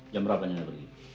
jam berapa ibu pergi